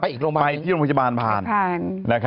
ไปที่โรงพยาบาลผ่าน